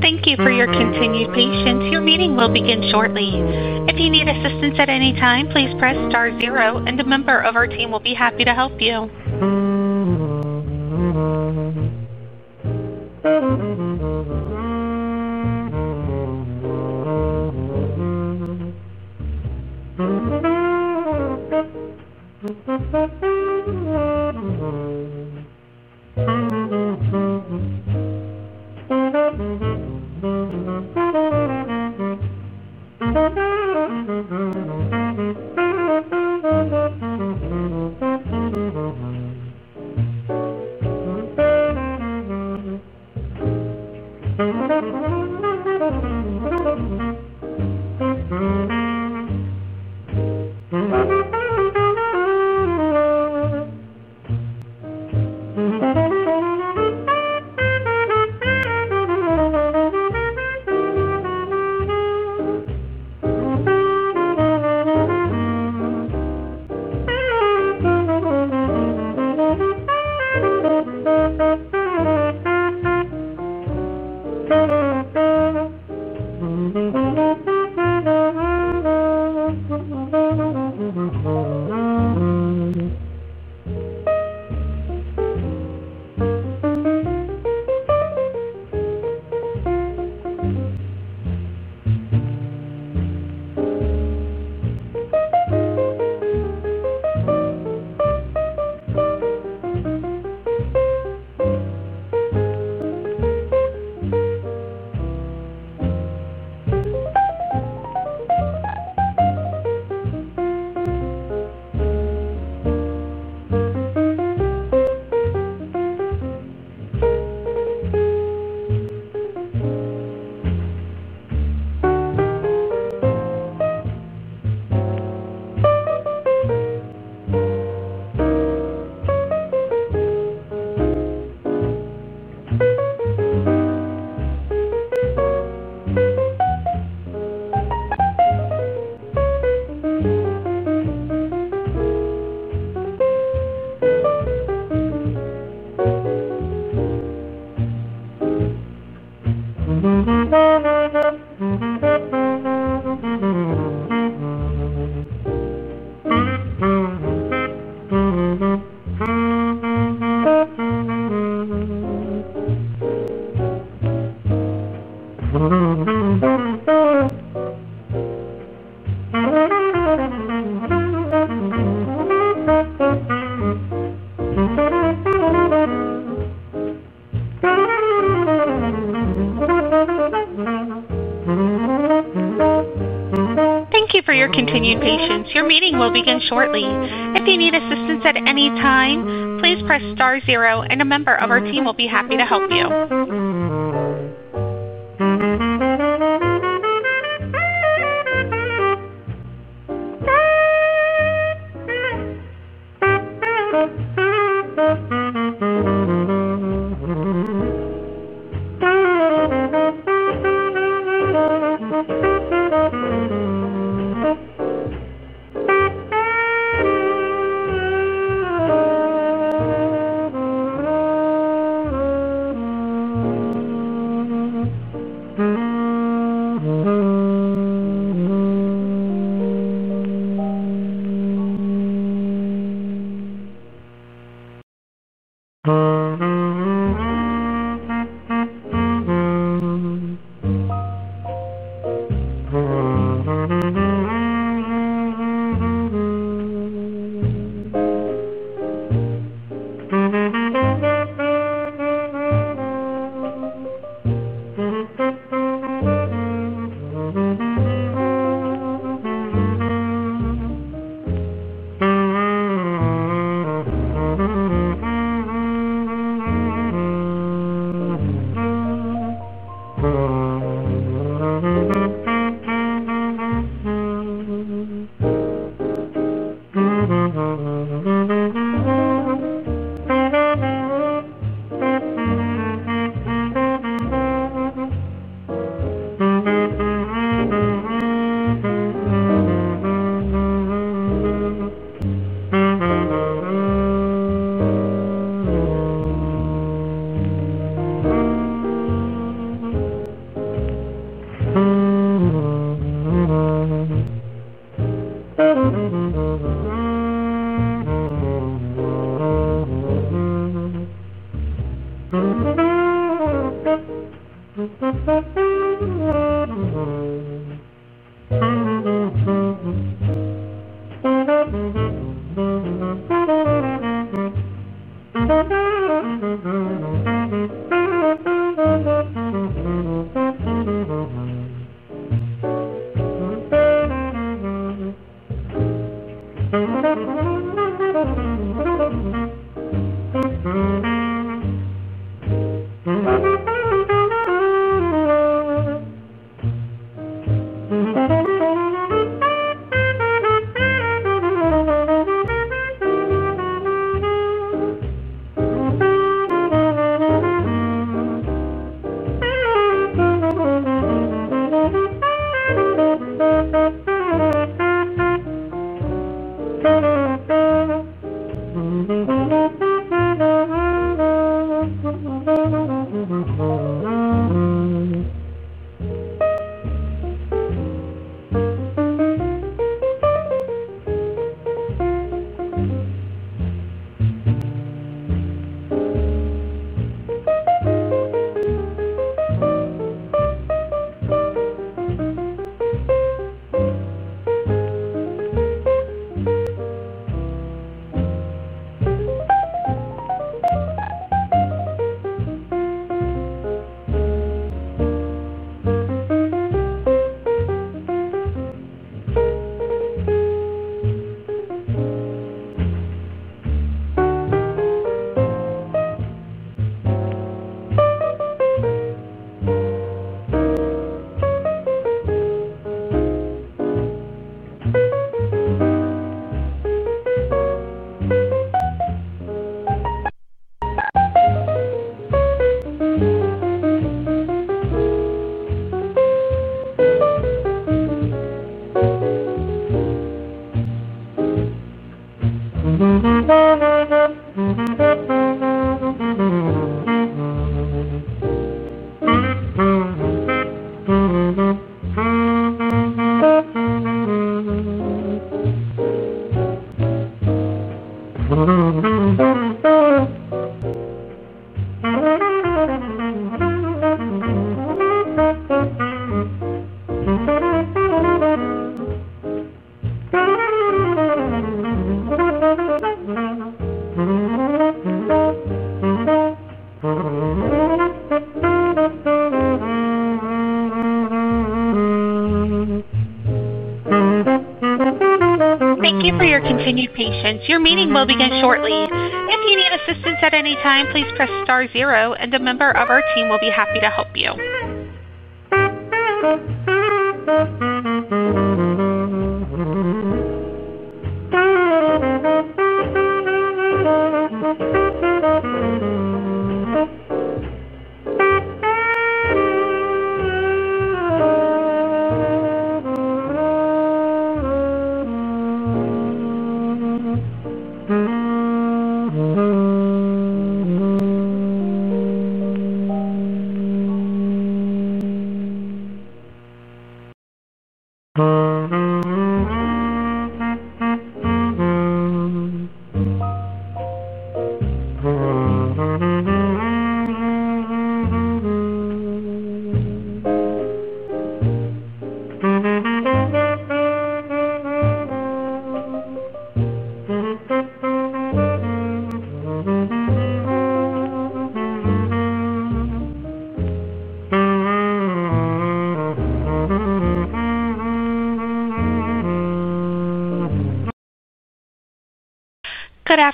Thank you for your continued patience. Your meeting will begin shortly. If you need assistance at any time, please press star zero, and a member of our team will be happy to help you.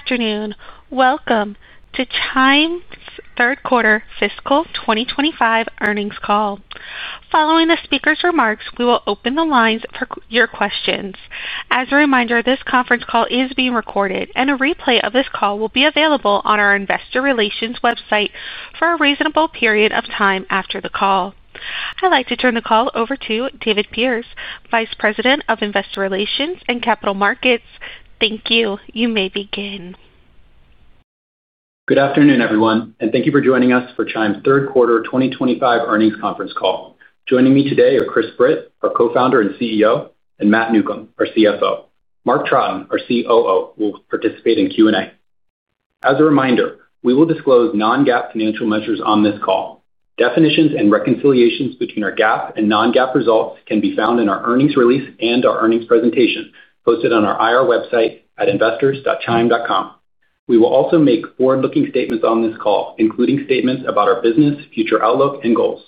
Good afternoon. Welcome to Chime's third quarter fiscal 2025 earnings call. Following the speaker's remarks, we will open the lines for your questions. As a reminder, this conference call is being recorded, and a replay of this call will be available on our investor relations website for a reasonable period of time after the call. I'd like to turn the call over to David Pearce, Vice President of Investor Relations and Capital Markets. Thank you. You may begin. Good afternoon, everyone, and thank you for joining us for Chime's third quarter 2025 earnings conference call. Joining me today are Chris Britt, our Co-founder and CEO, and Matt Newcomb, our CFO. Mark Troughton, our COO, will participate in Q&A. As a reminder, we will disclose non-GAAP financial measures on this call. Definitions and reconciliations between our GAAP and non-GAAP results can be found in our earnings release and our earnings presentation posted on our IR website at investors.chime.com. We will also make forward-looking statements on this call, including statements about our business, future outlook, and goals.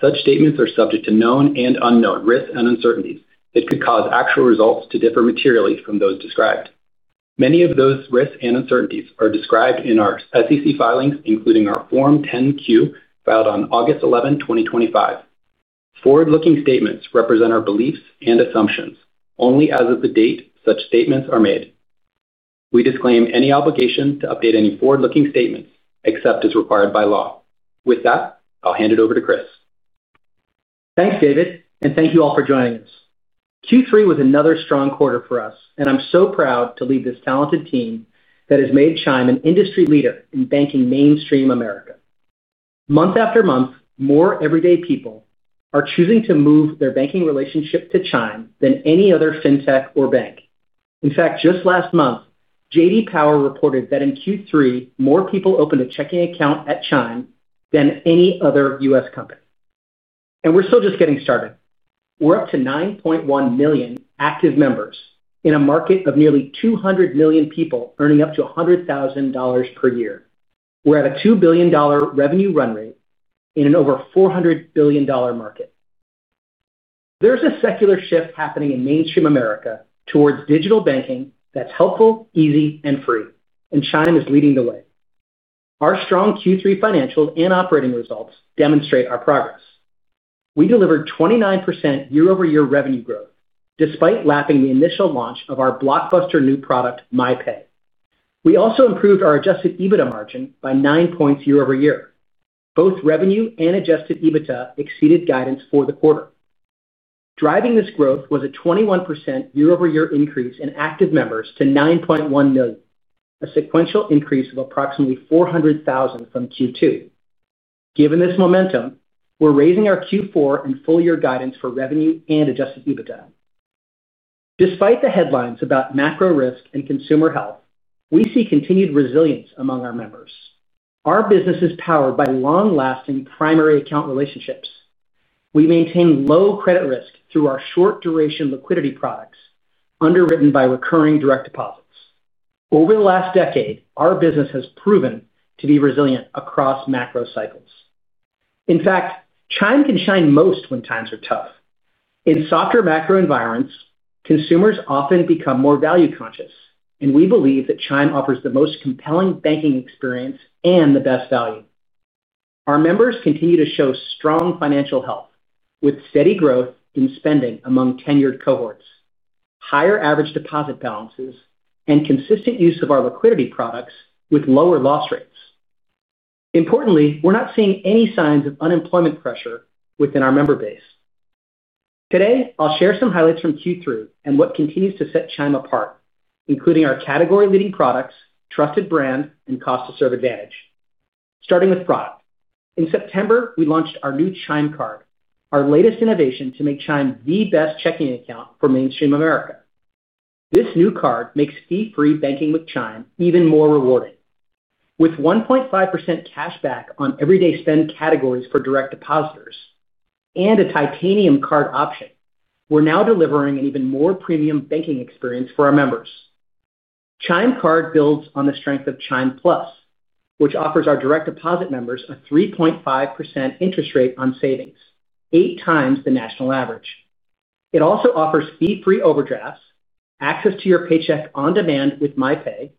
Such statements are subject to known and unknown risks and uncertainties that could cause actual results to differ materially from those described. Many of those risks and uncertainties are described in our SEC filings, including our Form 10-Q filed on August 11, 2025. Forward-looking statements represent our beliefs and assumptions. Only as of the date such statements are made. We disclaim any obligation to update any forward-looking statements except as required by law. With that, I'll hand it over to Chris. Thanks, David, and thank you all for joining us. Q3 was another strong quarter for us, and I'm so proud to lead this talented team that has made Chime an industry leader in banking mainstream America. Month after month, more everyday people are choosing to move their banking relationship to Chime than any other fintech or bank. In fact, just last month, J.D. Power reported that in Q3, more people opened a checking account at Chime than any other U.S. company. We're still just getting started. We're up to 9.1 million active members in a market of nearly 200 million people earning up to $100,000 per year. We're at a $2 billion revenue run rate in an over $400 billion market. There's a secular shift happening in mainstream America towards digital banking that's helpful, easy, and free, and Chime is leading the way. Our strong Q3 financial and operating results demonstrate our progress. We delivered 29% year-over-year revenue growth despite lapping the initial launch of our blockbuster new product, MyPay. We also improved our adjusted EBITDA margin by 9 points year-over-year. Both revenue and adjusted EBITDA exceeded guidance for the quarter. Driving this growth was a 21% year-over-year increase in active members to 9.1 million, a sequential increase of approximately 400,000 from Q2. Given this momentum, we're raising our Q4 and full-year guidance for revenue and adjusted EBITDA. Despite the headlines about macro risk and consumer health, we see continued resilience among our members. Our business is powered by long-lasting primary account relationships. We maintain low credit risk through our short-duration liquidity products underwritten by recurring direct deposits. Over the last decade, our business has proven to be resilient across macro cycles. In fact, Chime can shine most when times are tough. In softer macro environments, consumers often become more value-conscious, and we believe that Chime offers the most compelling banking experience and the best value. Our members continue to show strong financial health with steady growth in spending among tenured cohorts, higher average deposit balances, and consistent use of our liquidity products with lower loss rates. Importantly, we're not seeing any signs of unemployment pressure within our member base. Today, I'll share some highlights from Q3 and what continues to set Chime apart, including our category-leading products, trusted brand, and cost-to-serve advantage. Starting with product. In September, we launched our new Chime Card, our latest innovation to make Chime the best checking account for mainstream America. This new card makes fee-free banking with Chime even more rewarding. With 1.5% cash back on everyday spend categories for direct depositors and a titanium card option, we're now delivering an even more premium banking experience for our members. Chime Card builds on the strength of Chime Plus, which offers our direct deposit members a 3.5% interest rate on savings, eight times the national average. It also offers fee-free overdrafts, access to your paycheck on demand with MyPay,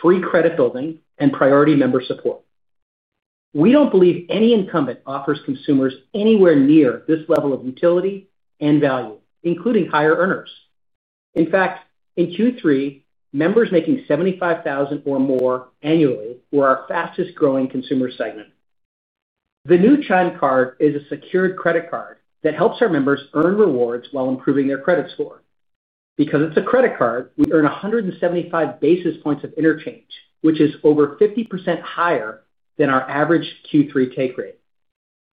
free credit building, and priority member support. We don't believe any incumbent offers consumers anywhere near this level of utility and value, including higher earners. In fact, in Q3, members making $75,000 or more annually were our fastest-growing consumer segment. The new Chime Card is a secured credit card that helps our members earn rewards while improving their credit score. Because it's a credit card, we earn 175 basis points of interchange, which is over 50% higher than our average Q3 take rate.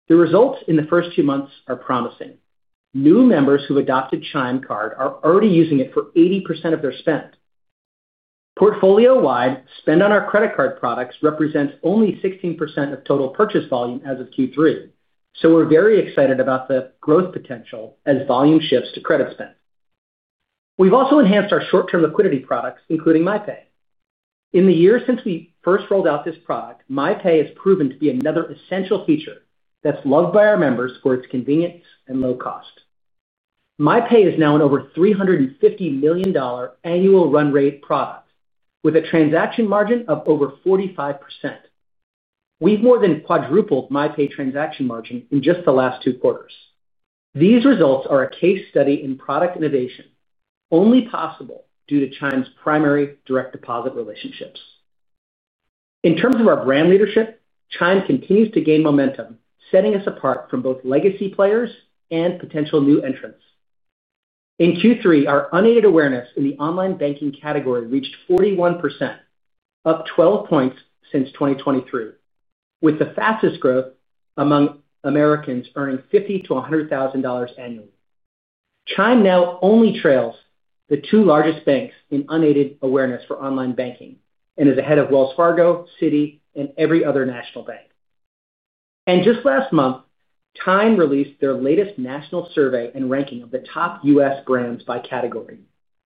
The results in the first two months are promising. New members who've adopted Chime Card are already using it for 80% of their spend. Portfolio-wide, spend on our credit card products represents only 16% of total purchase volume as of Q3, so we're very excited about the growth potential as volume shifts to credit spend. We've also enhanced our short-term liquidity products, including MyPay. In the year since we first rolled out this product, MyPay has proven to be another essential feature that's loved by our members for its convenience and low cost. MyPay is now an over $350 million annual run rate product with a transaction margin of over 45%. We've more than quadrupled MyPay transaction margin in just the last two quarters. These results are a case study in product innovation, only possible due to Chime's primary direct deposit relationships. In terms of our brand leadership, Chime continues to gain momentum, setting us apart from both legacy players and potential new entrants. In Q3, our unaided awareness in the online banking category reached 41%, up 12 points since 2023, with the fastest growth among Americans earning $50,000-$100,000 annually. Chime now only trails the two largest banks in unaided awareness for online banking and is ahead of Wells Fargo, Citi, and every other national bank. Just last month, Chime released their latest national survey and ranking of the top U.S. brands by category.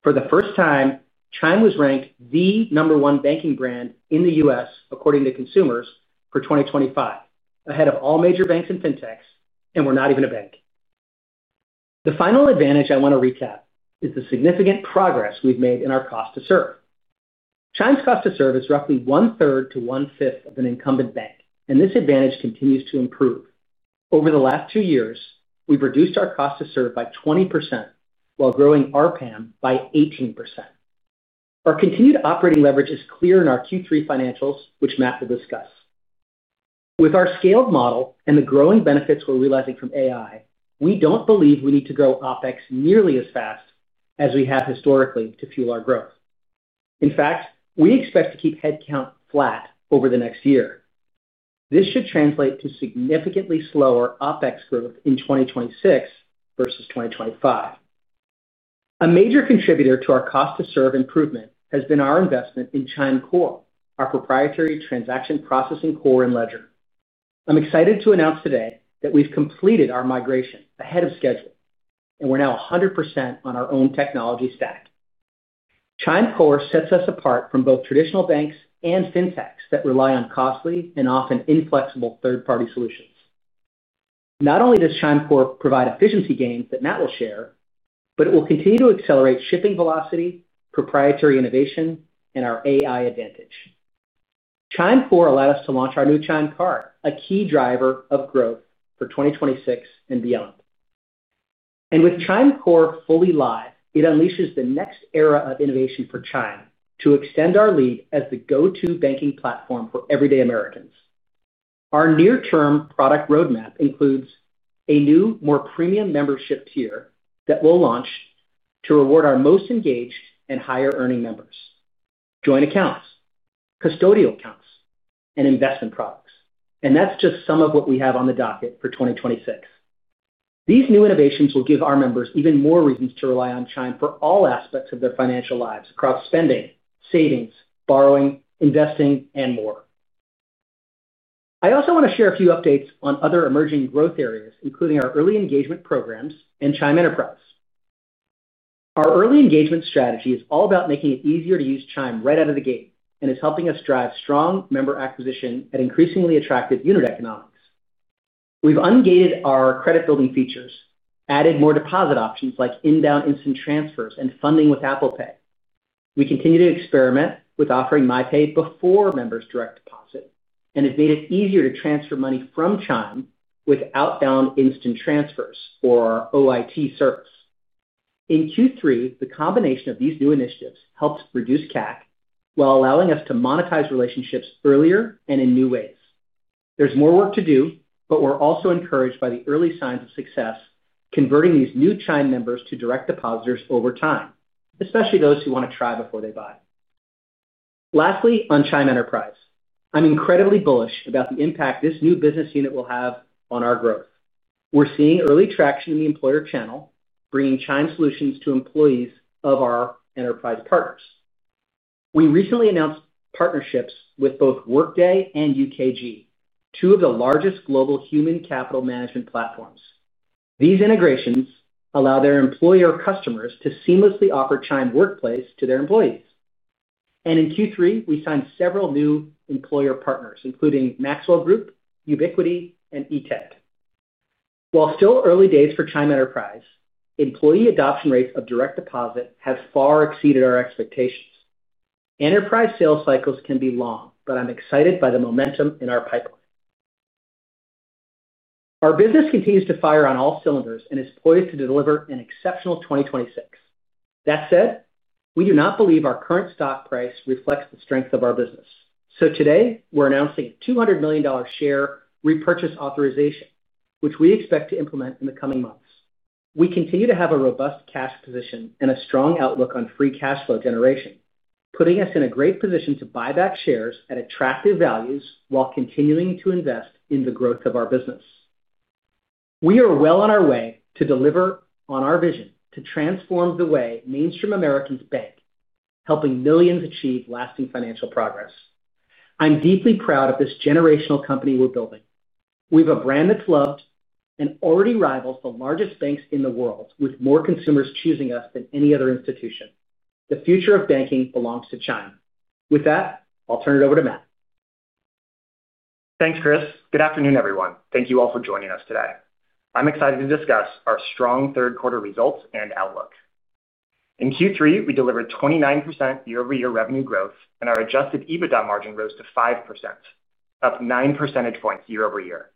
For the first time, Chime was ranked the number one banking brand in the U.S. according to consumers for 2025, ahead of all major banks and fintechs, and we're not even a bank. The final advantage I want to recap is the significant progress we've made in our cost-to-serve. Chime's cost-to-serve is roughly 1/3-1/5 of an incumbent bank, and this advantage continues to improve. Over the last two years, we've reduced our cost-to-serve by 20% while growing our PAM by 18%. Our continued operating leverage is clear in our Q3 financials, which Matt will discuss. With our scaled model and the growing benefits we're realizing from AI, we don't believe we need to grow OpEx nearly as fast as we have historically to fuel our growth. In fact, we expect to keep headcount flat over the next year. This should translate to significantly slower OpEx growth in 2026 versus 2025. A major contributor to our cost-to-serve improvement has been our investment in ChimeCore, our proprietary transaction processing core and ledger. I'm excited to announce today that we've completed our migration ahead of schedule, and we're now 100% on our own technology stack. ChimeCore sets us apart from both traditional banks and fintechs that rely on costly and often inflexible third-party solutions. Not only does ChimeCore provide efficiency gains that Matt will share, but it will continue to accelerate shipping velocity, proprietary innovation, and our AI advantage. ChimeCore allowed us to launch our new Chime Card, a key driver of growth for 2026 and beyond. With ChimeCore fully live, it unleashes the next era of innovation for Chime to extend our lead as the go-to banking platform for everyday Americans. Our near-term product roadmap includes a new, more premium membership tier that we'll launch to reward our most engaged and higher-earning members: joint accounts, custodial accounts, and investment products. That is just some of what we have on the docket for 2026. These new innovations will give our members even more reasons to rely on Chime for all aspects of their financial lives across spending, savings, borrowing, investing, and more. I also want to share a few updates on other emerging growth areas, including our early engagement programs and Chime Enterprise. Our early engagement strategy is all about making it easier to use Chime right out of the gate and is helping us drive strong member acquisition at increasingly attractive unit economics. We've ungated our credit-building features, added more deposit options like inbound instant transfers and funding with Apple Pay. We continue to experiment with offering MyPay before members direct deposit and have made it easier to transfer money from Chime with outbound instant transfers or our OIT service. In Q3, the combination of these new initiatives helps reduce CAC while allowing us to monetize relationships earlier and in new ways. There's more work to do, but we're also encouraged by the early signs of success converting these new Chime members to direct depositors over time, especially those who want to try before they buy. Lastly, on Chime Enterprise, I'm incredibly bullish about the impact this new business unit will have on our growth. We're seeing early traction in the employer channel, bringing Chime solutions to employees of our enterprise partners. We recently announced partnerships with both Workday and UKG, two of the largest global human capital management platforms. These integrations allow their employer customers to seamlessly offer Chime Workplace to their employees. In Q3, we signed several new employer partners, including Maxwell Group, Ubiquiti, and Etech. While still early days for Chime Enterprise, employee adoption rates of direct deposit have far exceeded our expectations. Enterprise sales cycles can be long, but I'm excited by the momentum in our pipeline. Our business continues to fire on all cylinders and is poised to deliver an exceptional 2026. That said, we do not believe our current stock price reflects the strength of our business. Today, we're announcing a $200 million share repurchase authorization, which we expect to implement in the coming months. We continue to have a robust cash position and a strong outlook on free cash flow generation, putting us in a great position to buy back shares at attractive values while continuing to invest in the growth of our business. We are well on our way to deliver on our vision to transform the way mainstream Americans bank, helping millions achieve lasting financial progress. I'm deeply proud of this generational company we're building. We have a brand that's loved and already rivals the largest banks in the world, with more consumers choosing us than any other institution. The future of banking belongs to Chime. With that, I'll turn it over to Matt. Thanks, Chris. Good afternoon, everyone. Thank you all for joining us today. I'm excited to discuss our strong third-quarter results and outlook. In Q3, we delivered 29% year-over-year revenue growth, and our adjusted EBITDA margin rose to 5%, up 9 percentage points year-over-year.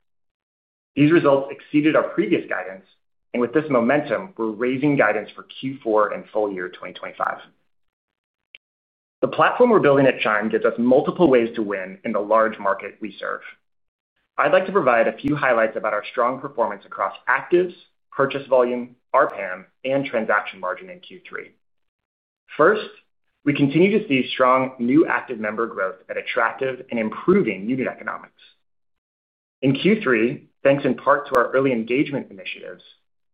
These results exceeded our previous guidance, and with this momentum, we're raising guidance for Q4 and full year 2025. The platform we're building at Chime gives us multiple ways to win in the large market we serve. I'd like to provide a few highlights about our strong performance across actives, purchase volume, our RPAM, and transaction margin in Q3. First, we continue to see strong new active member growth at attractive and improving unit economics. In Q3, thanks in part to our early engagement initiatives,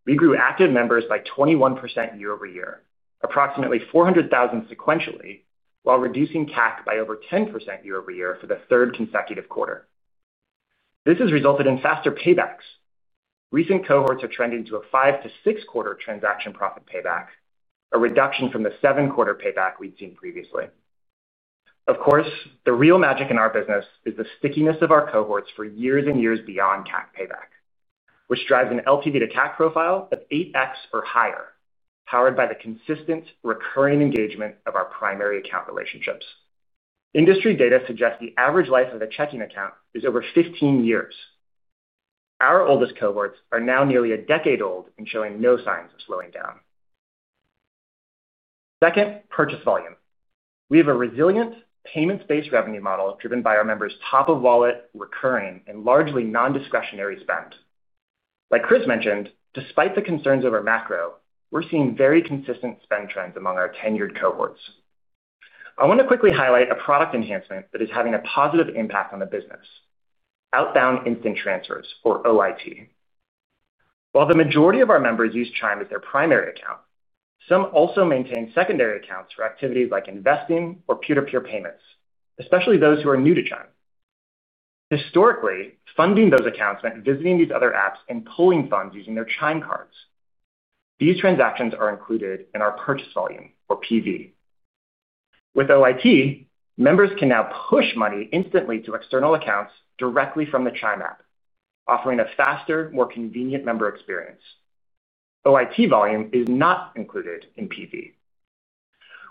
we grew active members by 21% year-over-year, approximately 400,000 sequentially, while reducing CAC by over 10% year-over-year for the third consecutive quarter. This has resulted in faster paybacks. Recent cohorts are trending to a five-to-six-quarter transaction profit payback, a reduction from the seven-quarter payback we'd seen previously. Of course, the real magic in our business is the stickiness of our cohorts for years and years beyond CAC payback, which drives an LTV to CAC profile of 8x or higher, powered by the consistent recurring engagement of our primary account relationships. Industry data suggests the average life of a checking account is over 15 years. Our oldest cohorts are now nearly a decade old and showing no signs of slowing down. Second, purchase volume. We have a resilient payments-based revenue model driven by our members' top-of-wallet, recurring, and largely non-discretionary spend. Like Chris mentioned, despite the concerns over macro, we're seeing very consistent spend trends among our tenured cohorts. I want to quickly highlight a product enhancement that is having a positive impact on the business. Outbound instant transfers, or OIT. While the majority of our members use Chime as their primary account, some also maintain secondary accounts for activities like investing or peer-to-peer payments, especially those who are new to Chime. Historically, funding those accounts meant visiting these other apps and pulling funds using their Chime cards. These transactions are included in our purchase volume, or PV. With OIT, members can now push money instantly to external accounts directly from the Chime app, offering a faster, more convenient member experience. OIT volume is not included in PV.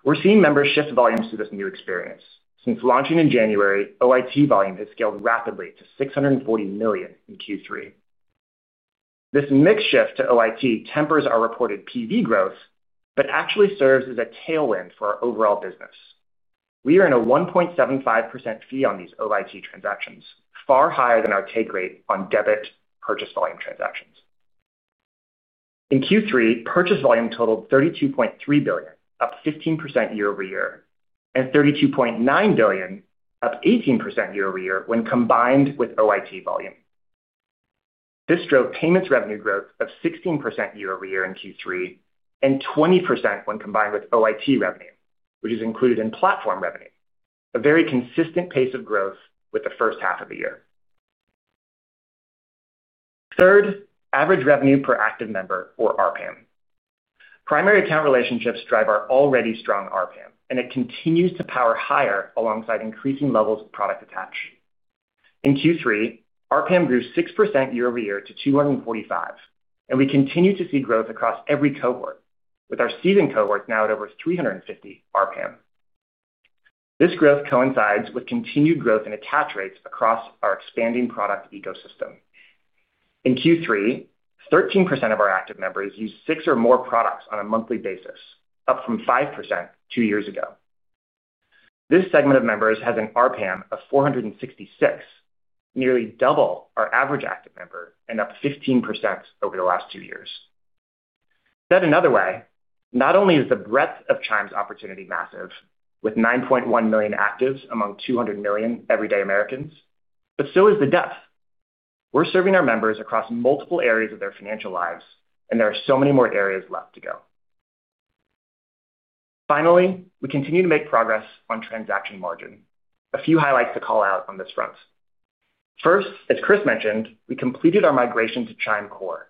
We're seeing members shift volumes to this new experience. Since launching in January, OIT volume has scaled rapidly to $640 million in Q3. This mixed shift to OIT tempers our reported PV growth but actually serves as a tailwind for our overall business. We earn a 1.75% fee on these OIT transactions, far higher than our take rate on debit purchase volume transactions. In Q3, purchase volume totaled $32.3 billion, up 15% year-over-year, and $32.9 billion, up 18% year-over-year when combined with OIT volume. This drove payments revenue growth of 16% year-over-year in Q3 and 20% when combined with OIT revenue, which is included in platform revenue, a very consistent pace of growth with the first half of the year. Third, average revenue per active member, or RPAM. Primary account relationships drive our already strong RPAM, and it continues to power higher alongside increasing levels of product attach. In Q3, RPAM grew 6% year-over-year to 245, and we continue to see growth across every cohort, with our seasoned cohorts now at over 350 RPAM. This growth coincides with continued growth in attach rates across our expanding product ecosystem. In Q3, 13% of our active members use six or more products on a monthly basis, up from 5% two years ago. This segment of members has an RPAM of 466, nearly double our average active member, and up 15% over the last two years. Said another way, not only is the breadth of Chime's opportunity massive, with 9.1 million actives among 200 million everyday Americans, but so is the depth. We're serving our members across multiple areas of their financial lives, and there are so many more areas left to go. Finally, we continue to make progress on transaction margin. A few highlights to call out on this front. First, as Chris mentioned, we completed our migration to ChimeCore,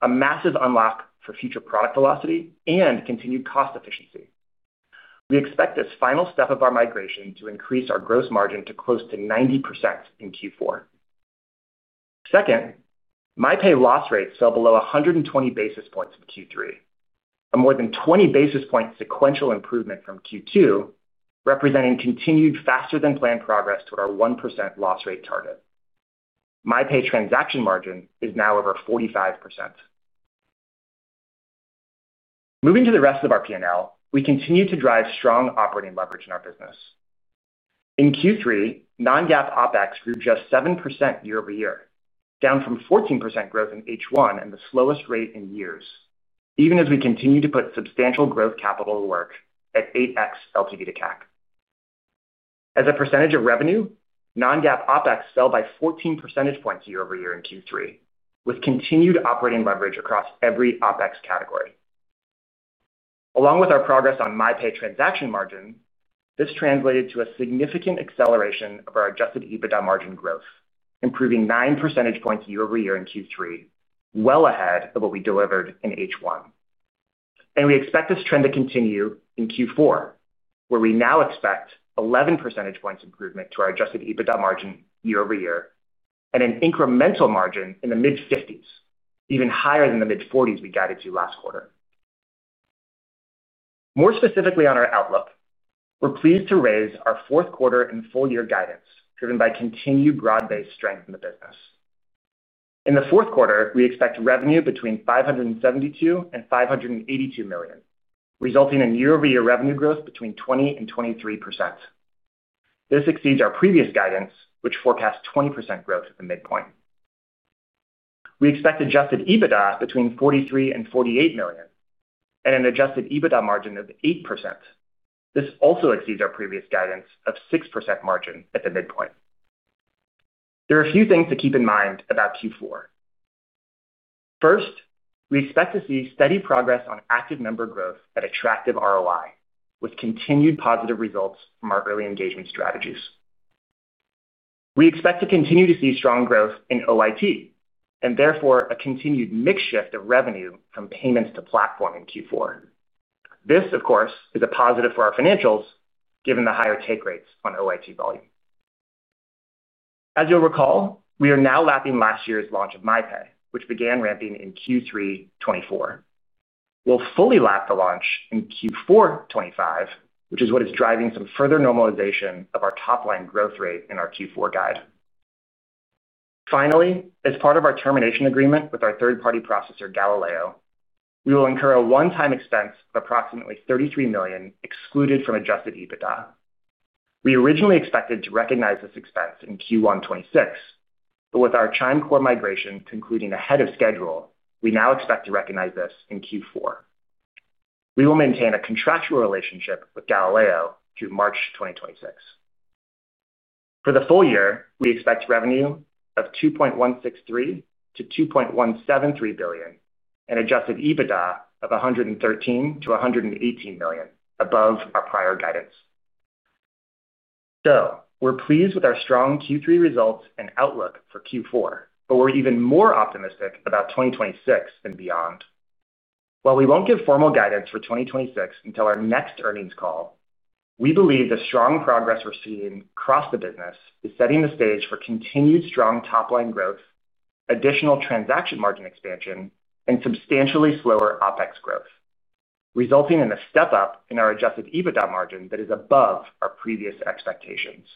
a massive unlock for future product velocity and continued cost efficiency. We expect this final step of our migration to increase our gross margin to close to 90% in Q4. Second, MyPay loss rates fell below 120 basis points in Q3, a more than 20 basis point sequential improvement from Q2, representing continued faster-than-planned progress toward our 1% loss rate target. MyPay transaction margin is now over 45%. Moving to the rest of our P&L, we continue to drive strong operating leverage in our business. In Q3, non-GAAP OpEx grew just 7% year-over-year, down from 14% growth in H1 and the slowest rate in years, even as we continue to put substantial growth capital to work at 8x LTV to CAC. As a percentage of revenue, non-GAAP OpEx fell by 14 percentage points year-over-year in Q3, with continued operating leverage across every OpEx category. Along with our progress on MyPay transaction margin, this translated to a significant acceleration of our adjusted EBITDA margin growth, improving 9 percentage points year-over-year in Q3, well ahead of what we delivered in H1. We expect this trend to continue in Q4, where we now expect 11 percentage points improvement to our adjusted EBITDA margin year-over-year and an incremental margin in the mid-50s, even higher than the mid-40s we guided to last quarter. More specifically on our outlook, we're pleased to raise our fourth-quarter and full-year guidance driven by continued broad-based strength in the business. In the fourth quarter, we expect revenue between $572 million and $582 million, resulting in year-over-year revenue growth between 20% and 23%. This exceeds our previous guidance, which forecasts 20% growth at the midpoint. We expect adjusted EBITDA between $43 million and $48 million, and an adjusted EBITDA margin of 8%. This also exceeds our previous guidance of 6% margin at the midpoint. There are a few things to keep in mind about Q4. First, we expect to see steady progress on active member growth at attractive ROI, with continued positive results from our early engagement strategies. We expect to continue to see strong growth in OIT and therefore a continued mixed shift of revenue from payments to platform in Q4. This, of course, is a positive for our financials given the higher take rates on OIT volume. As you'll recall, we are now lapping last year's launch of MyPay, which began ramping in Q3 2024. We'll fully lap the launch in Q4 2025, which is what is driving some further normalization of our top-line growth rate in our Q4 guide. Finally, as part of our termination agreement with our third-party processor Galileo, we will incur a one-time expense of approximately $33 million excluded from adjusted EBITDA. We originally expected to recognize this expense in Q1 2026, but with our ChimeCore migration concluding ahead of schedule, we now expect to recognize this in Q4. We will maintain a contractual relationship with Galileo through March 2026. For the full year, we expect revenue of $2.163 billion-$2.173 billion and adjusted EBITDA of $113 million-$118 million, above our prior guidance. We are pleased with our strong Q3 results and outlook for Q4, but we are even more optimistic about 2026 and beyond. While we won't give formal guidance for 2026 until our next earnings call, we believe the strong progress we're seeing across the business is setting the stage for continued strong top-line growth, additional transaction margin expansion, and substantially slower OpEx growth, resulting in a step-up in our adjusted EBITDA margin that is above our previous expectations.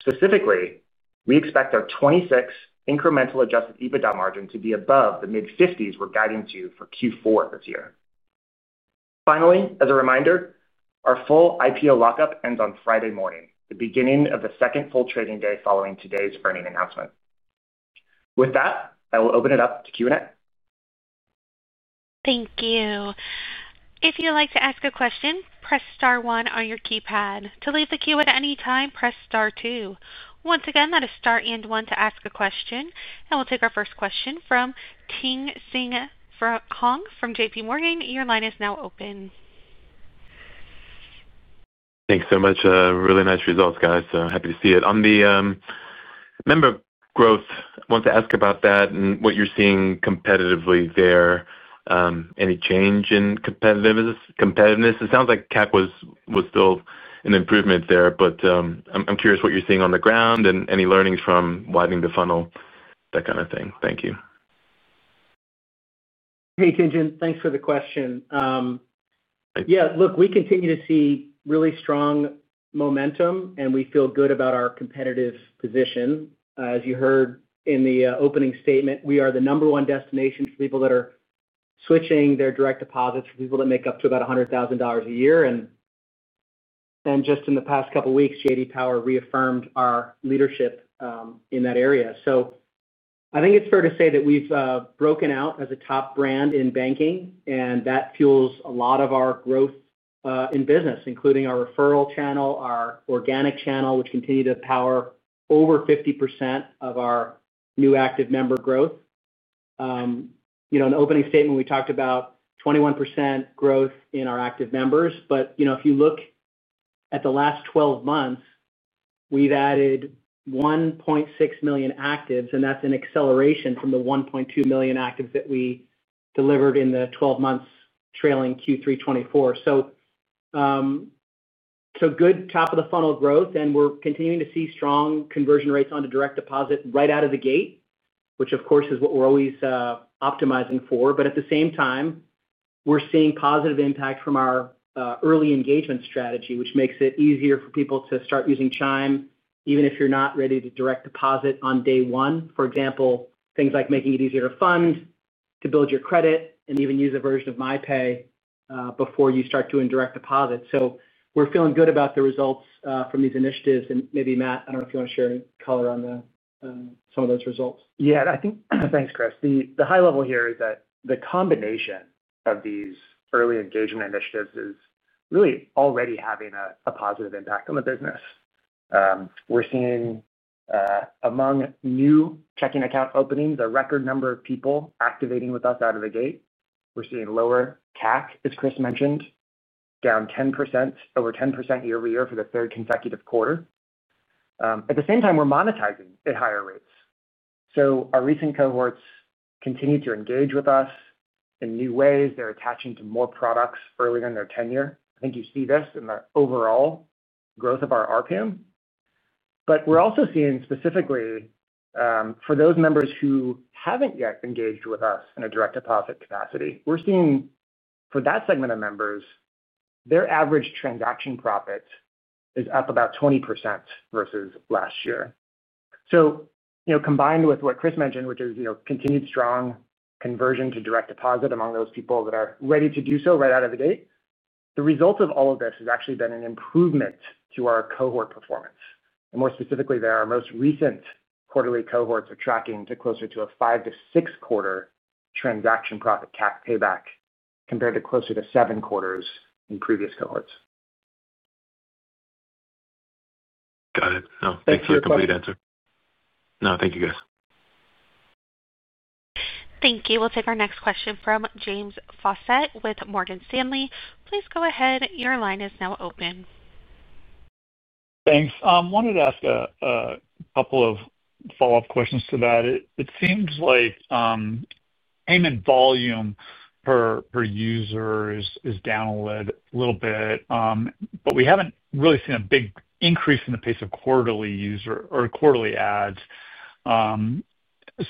Specifically, we expect our 2026 incremental adjusted EBITDA margin to be above the mid-50s we're guiding to for Q4 this year. Finally, as a reminder, our full IPO lockup ends on Friday morning, the beginning of the second full trading day following today's earnings announcement. With that, I will open it up to Q&A. Thank you. If you'd like to ask a question, press star one on your keypad. To leave the queue at any time, press star two. Once again, that is star and one to ask a question. We will take our first question from Tien-Tsin Huang from JPMorgan. Your line is now open. Thanks so much. Really nice results, guys. So happy to see it. On the member growth, I want to ask about that and what you are seeing competitively there. Any change in competitiveness? It sounds like CAC was still an improvement there, but I am curious what you are seeing on the ground and any learnings from widening the funnel, that kind of thing. Thank you. Hey, Tien-Tsin. Thanks for the question. Yeah, look, we continue to see really strong momentum, and we feel good about our competitive position. As you heard in the opening statement, we are the number one destination for people that are switching their direct deposits, for people that make up to about $100,000 a year. Just in the past couple of weeks, J.D. Power reaffirmed our leadership in that area. I think it's fair to say that we've broken out as a top brand in banking, and that fuels a lot of our growth in business, including our referral channel, our organic channel, which continue to power over 50% of our new active member growth. In the opening statement, we talked about 21% growth in our active members. If you look at the last 12 months, we've added 1.6 million actives, and that's an acceleration from the 1.2 million actives that we delivered in the 12 months trailing Q3 2024. Good top-of-the-funnel growth, and we're continuing to see strong conversion rates onto direct deposit right out of the gate, which, of course, is what we're always optimizing for. At the same time, we're seeing positive impact from our early engagement strategy, which makes it easier for people to start using Chime even if you're not ready to direct deposit on day one. For example, things like making it easier to fund, to build your credit, and even use a version of MyPay before you start doing direct deposit. We're feeling good about the results from these initiatives. Maybe, Matt, I don't know if you want to share any color on some of those results. Yeah. Thanks, Chris. The high level here is that the combination of these early engagement initiatives is really already having a positive impact on the business. We're seeing among new checking account openings, a record number of people activating with us out of the gate. We're seeing lower CAC, as Chris mentioned, down 10%, over 10% year-over-year for the third consecutive quarter. At the same time, we're monetizing at higher rates. Our recent cohorts continue to engage with us in new ways. They're attaching to more products earlier in their tenure. I think you see this in the overall growth of our RPAM. We're also seeing specifically, for those members who haven't yet engaged with us in a direct deposit capacity, for that segment of members, their average transaction profit is up about 20% versus last year. Combined with what Chris mentioned, which is continued strong conversion to direct deposit among those people that are ready to do so right out of the gate, the result of all of this has actually been an improvement to our cohort performance. And more specifically, our most recent quarterly cohorts are tracking to closer to a five to six-quarter transaction profit CAC payback compared to closer to seven quarters in previous cohorts. Got it. Thanks for the complete answer. No, thank you, guys. Thank you. We'll take our next question from James Fawcett with Morgan Stanley. Please go ahead. Your line is now open. Thanks. I wanted to ask a couple of follow-up questions to that. It seems like payment volume per user is down a little bit, but we haven't really seen a big increase in the pace of quarterly ads.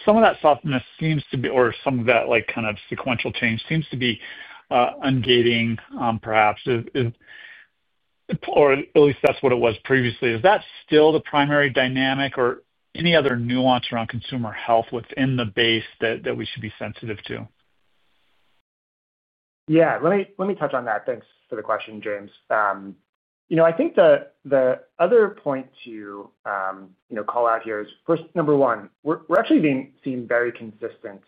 Some of that softness seems to be—or some of that kind of sequential change seems to be ungating, perhaps. Or at least that's what it was previously. Is that still the primary dynamic, or any other nuance around consumer health within the base that we should be sensitive to? Yeah. Let me touch on that. Thanks for the question, James. I think the other point to call out here is, first, number one, we're actually seeing very consistent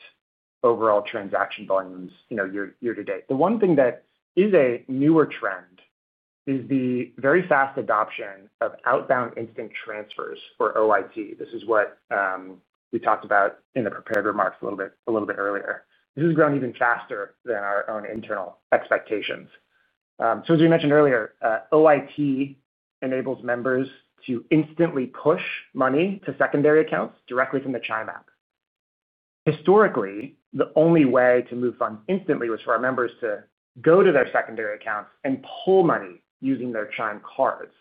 overall transaction volumes year-to-date. The one thing that is a newer trend is the very fast adoption of outbound instant transfers for OIT. This is what we talked about in the prepared remarks a little bit earlier. This has grown even faster than our own internal expectations. As we mentioned earlier, OIT enables members to instantly push money to secondary accounts directly from the Chime app. Historically, the only way to move funds instantly was for our members to go to their secondary accounts and pull money using their Chime cards.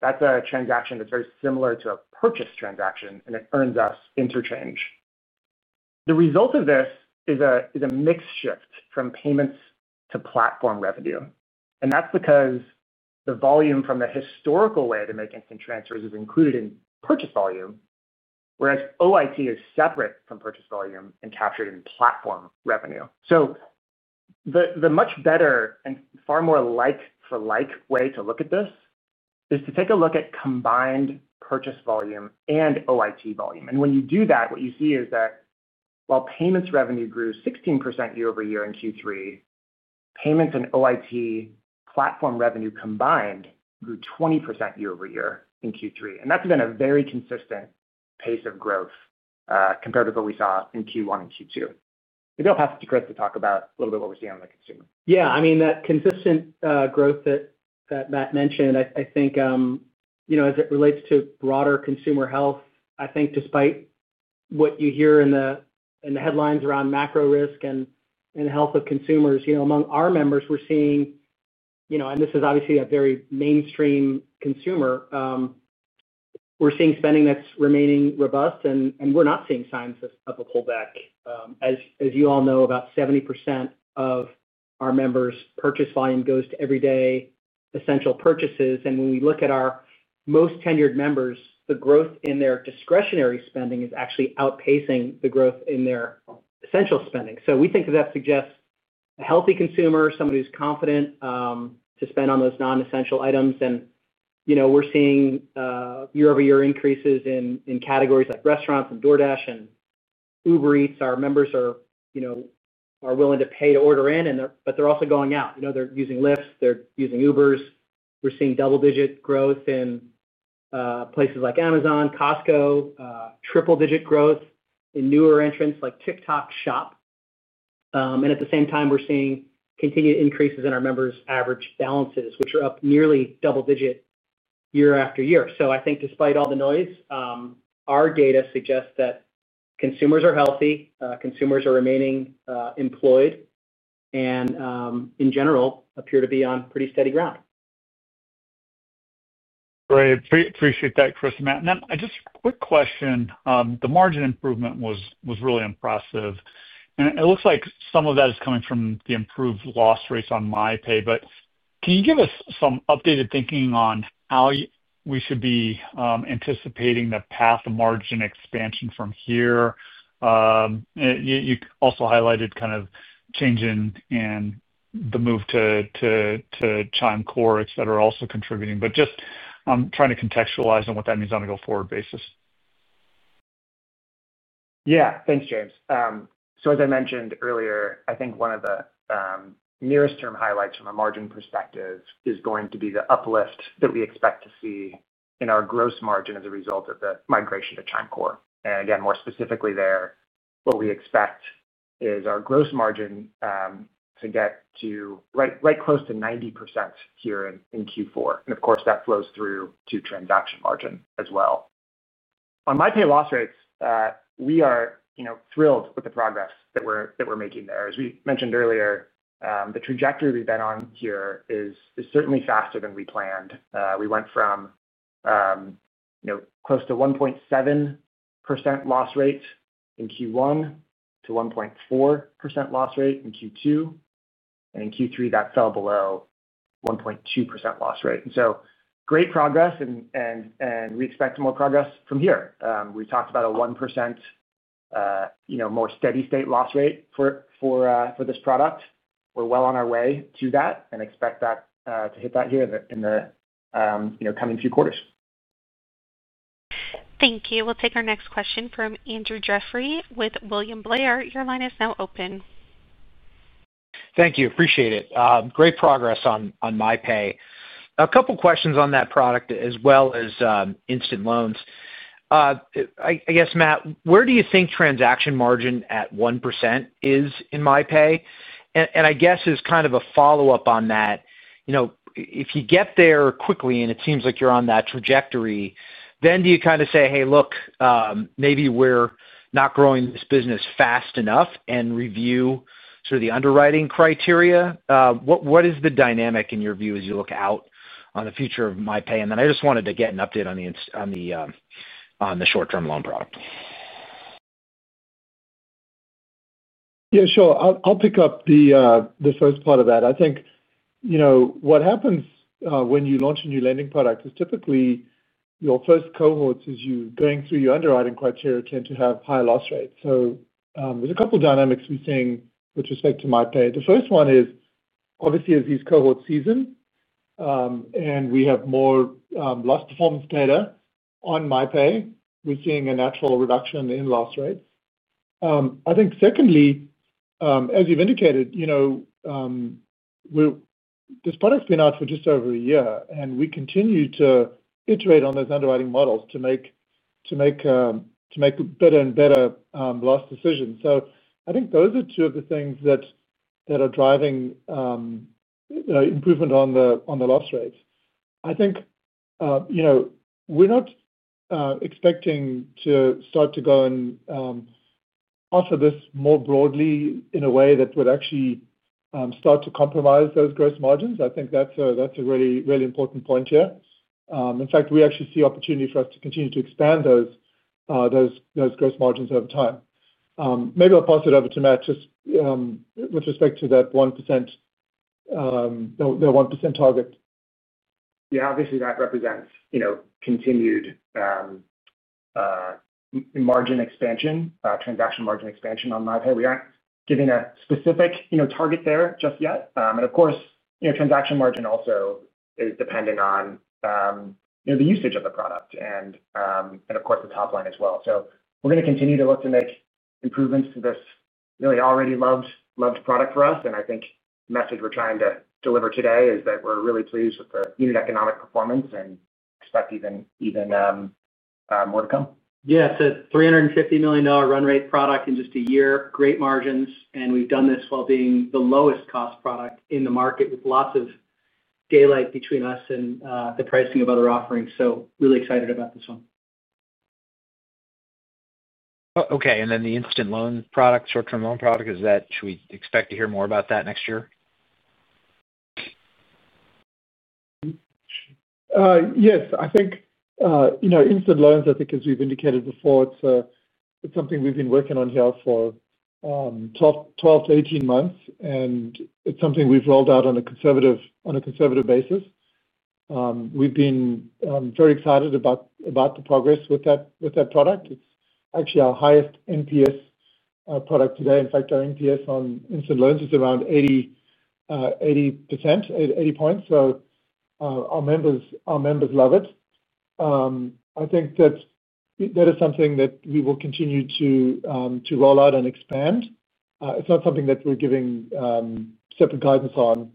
That's a transaction that's very similar to a purchase transaction, and it earns us interchange. The result of this is a mixed shift from payments to platform revenue. That is because the volume from the historical way to make instant transfers is included in purchase volume, whereas OIT is separate from purchase volume and captured in platform revenue. The much better and far more like-for-like way to look at this is to take a look at combined purchase volume and OIT volume. When you do that, what you see is that while payments revenue grew 16% year-over-year in Q3, payments and OIT platform revenue combined grew 20% year-over-year in Q3. That has been a very consistent pace of growth compared with what we saw in Q1 and Q2. Maybe I'll pass it to Chris to talk about a little bit what we are seeing on the consumer. Yeah. I mean, that consistent growth that Matt mentioned, I think. As it relates to broader consumer health, I think despite what you hear in the headlines around macro risk and the health of consumers, among our members, we're seeing— This is obviously a very mainstream consumer. We're seeing spending that's remaining robust, and we're not seeing signs of a pullback. As you all know, about 70% of our members' purchase volume goes to everyday essential purchases. When we look at our most tenured members, the growth in their discretionary spending is actually outpacing the growth in their essential spending. We think that that suggests a healthy consumer, somebody who's confident to spend on those non-essential items. We're seeing year-over-year increases in categories like restaurants and DoorDash and Uber Eats. Our members are willing to pay to order in, but they're also going out. They're using Lyfts. They're using Ubers. We're seeing double-digit growth in. Places like Amazon, Costco, triple-digit growth in newer entrants like TikTok Shop. At the same time, we're seeing continued increases in our members' average balances, which are up nearly double-digit year after year. I think despite all the noise, our data suggests that consumers are healthy, consumers are remaining employed, and in general, appear to be on pretty steady ground. Great. Appreciate that, Chris and Matt. Just a quick question. The margin improvement was really impressive. It looks like some of that is coming from the improved loss rates on MyPay. Can you give us some updated thinking on how we should be anticipating the path of margin expansion from here? You also highlighted kind of change in the move to ChimeCore, etc., also contributing. I'm trying to contextualize on what that means on a go-forward basis. Yeah. Thanks, James. As I mentioned earlier, I think one of the nearest-term highlights from a margin perspective is going to be the uplift that we expect to see in our gross margin as a result of the migration to ChimeCore. Again, more specifically there, what we expect is our gross margin to get to right close to 90% here in Q4. Of course, that flows through to transaction margin as well. On MyPay loss rates, we are thrilled with the progress that we're making there. As we mentioned earlier, the trajectory we've been on here is certainly faster than we planned. We went from close to 1.7% loss rate in Q1 to 1.4% loss rate in Q2. In Q3, that fell below 1.2% loss rate. Great progress, and we expect more progress from here. We talked about a 1% more steady-state loss rate for. This product. We're well on our way to that and expect to hit that here in the coming few quarters. Thank you. We'll take our next question from Andrew Jeffrey with William Blair. Your line is now open. Thank you. Appreciate it. Great progress on MyPay. A couple of questions on that product as well as instant loans. I guess, Matt, where do you think transaction margin at 1% is in MyPay? And I guess as kind of a follow-up on that. If you get there quickly and it seems like you're on that trajectory, then do you kind of say, "Hey, look, maybe we're not growing this business fast enough," and review sort of the underwriting criteria? What is the dynamic, in your view, as you look out on the future of MyPay? And then I just wanted to get an update on the short-term loan product. Yeah. Sure. I'll pick up the first part of that. I think what happens when you launch a new lending product is typically your first cohorts as you're going through your underwriting criteria tend to have higher loss rates. There are a couple of dynamics we're seeing with respect to MyPay. The first one is, obviously, as these cohorts season and we have more loss performance data on MyPay, we're seeing a natural reduction in loss rates. I think, secondly, as you've indicated, this product's been out for just over a year, and we continue to iterate on those underwriting models to make better and better loss decisions. I think those are two of the things that are driving improvement on the loss rates. I think we're not expecting to start to go and offer this more broadly in a way that would actually start to compromise those gross margins. I think that's a really important point here. In fact, we actually see opportunity for us to continue to expand those gross margins over time. Maybe I'll pass it over to Matt just with respect to that 1% target. Yeah. Obviously, that represents continued margin expansion, transaction margin expansion on MyPay. We aren't giving a specific target there just yet. Of course, transaction margin also is dependent on the usage of the product and, of course, the top line as well. We are going to continue to look to make improvements to this really already loved product for us. I think the message we're trying to deliver today is that we're really pleased with the unit economic performance and expect even more to come. Yeah. It's a $350 million run-rate product in just a year, great margins. We have done this while being the lowest-cost product in the market with lots of daylight between us and the pricing of other offerings. Really excited about this one. Okay. The instant loan product, short-term loan product, should we expect to hear more about that next year? Yes. I think instant loans, as we have indicated before, is something we have been working on here for 12 months-18 months. It is something we have rolled out on a conservative basis. We have been very excited about the progress with that product. It is actually our highest NPS product today. In fact, our NPS on instant loans is around 80%, 80 points. Our members love it. I think that is something that we will continue to roll out and expand. It is not something that we are giving separate guidance on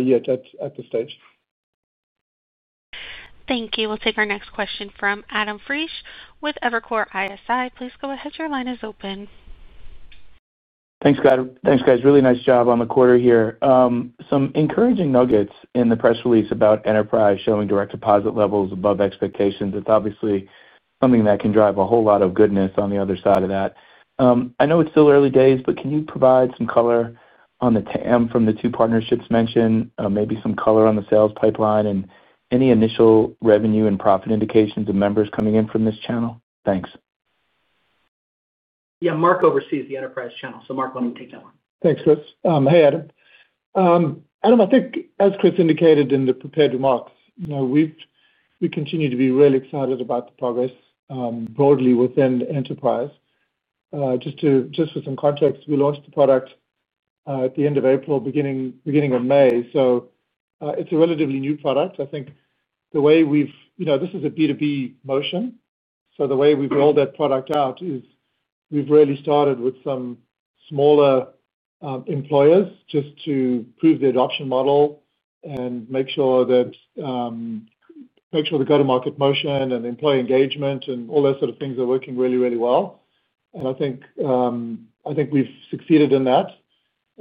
yet at this stage. Thank you. We'll take our next question from Adam Frisch with Evercore ISI. Please go ahead. Your line is open. Thanks, guys. Really nice job on the quarter here. Some encouraging nuggets in the press release about enterprise showing direct deposit levels above expectations. It's obviously something that can drive a whole lot of goodness on the other side of that. I know it's still early days, but can you provide some color from the two partnerships mentioned, maybe some color on the sales pipeline and any initial revenue and profit indications of members coming in from this channel? Thanks. Yeah. Mark oversees the enterprise channel. So Mark wanted to take that one. Thanks, Chris. Hey, Adam. Adam, I think, as Chris indicated in the prepared remarks, we continue to be really excited about the progress broadly within enterprise. Just for some context, we launched the product at the end of April, beginning of May. It is a relatively new product. I think the way we've—this is a B2B motion. The way we've rolled that product out is we've really started with some smaller employers just to prove the adoption model and make sure that the go-to-market motion and employee engagement and all those sort of things are working really, really well. I think we've succeeded in that.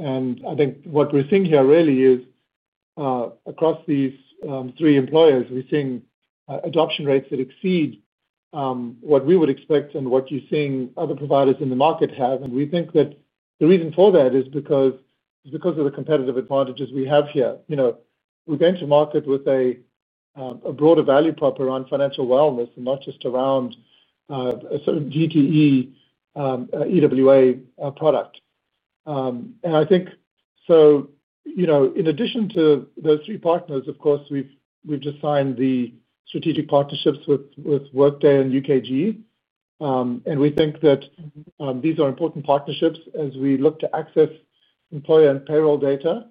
I think what we're seeing here really is across these three employers, we're seeing adoption rates that exceed what we would expect and what you're seeing other providers in the market have. We think that the reason for that is because of the competitive advantages we have here. We're going to market with a broader value prop around financial wellness and not just around a certain DTE. EWA product. I think in addition to those three partners, of course, we've just signed the strategic partnerships with Workday and UKG. We think that these are important partnerships as we look to access employer and payroll data.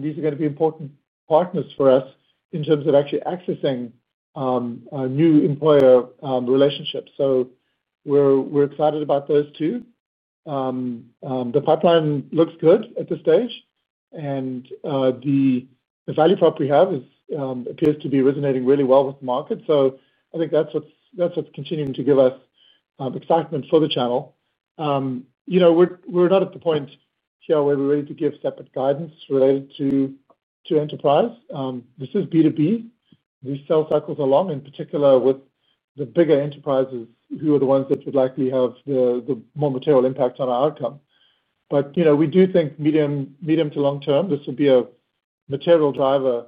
These are going to be important partners for us in terms of actually accessing new employer relationships. We're excited about those too. The pipeline looks good at this stage. The value prop we have appears to be resonating really well with the market. I think that's what's continuing to give us excitement for the channel. We're not at the point here where we're ready to give separate guidance related to enterprise. This is B2B. We sell cycles along, in particular with the bigger enterprises who are the ones that would likely have the more material impact on our outcome. We do think medium to long term, this will be a material driver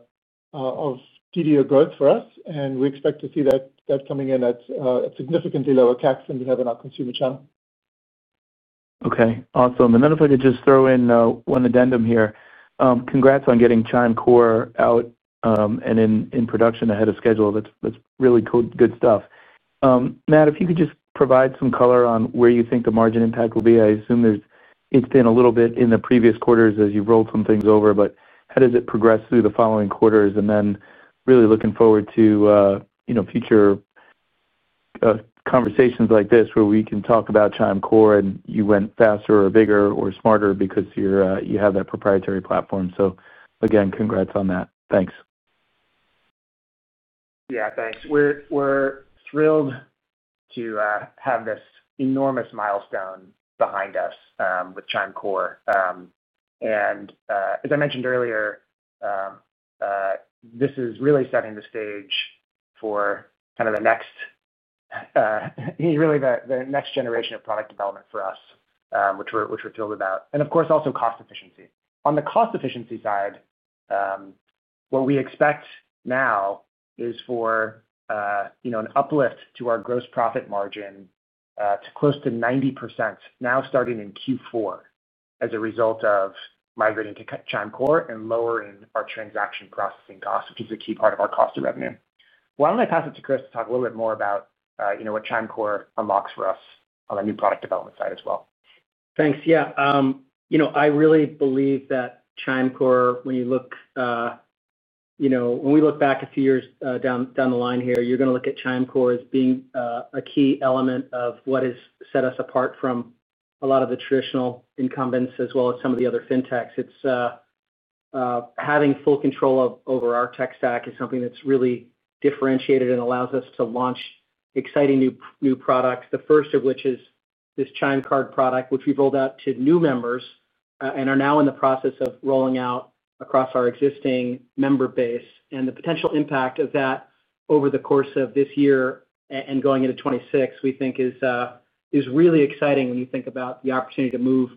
of DDO growth for us. We expect to see that coming in at significantly lower CACs than we have in our consumer channel. Okay. Awesome. If I could just throw in one addendum here. Congrats on getting ChimeCore out and in production ahead of schedule. That's really good stuff. Matt, if you could just provide some color on where you think the margin impact will be. I assume it's been a little bit in the previous quarters as you've rolled some things over. How does it progress through the following quarters? Really looking forward to future conversations like this where we can talk about ChimeCore and you went faster or bigger or smarter because you have that proprietary platform. Again, congrats on that. Thanks. Yeah. Thanks. We're thrilled to have this enormous milestone behind us with ChimeCore. As I mentioned earlier, this is really setting the stage for kind of the next, really the next generation of product development for us, which we're thrilled about. Of course, also cost efficiency. On the cost efficiency side, what we expect now is for an uplift to our gross profit margin to close to 90% now starting in Q4 as a result of migrating to ChimeCore and lowering our transaction processing costs, which is a key part of our cost of revenue. Why don't I pass it to Chris to talk a little bit more about what ChimeCore unlocks for us on the new product development side as well? Thanks. Yeah. I really believe that ChimeCore, when you look. When we look back a few years down the line here, you're going to look at ChimeCore as being a key element of what has set us apart from a lot of the traditional incumbents as well as some of the other fintechs. It's having full control over our tech stack is something that's really differentiated and allows us to launch exciting new products. The first of which is this Chime Card product, which we've rolled out to new members and are now in the process of rolling out across our existing member base. The potential impact of that over the course of this year and going into 2026, we think, is really exciting when you think about the opportunity to move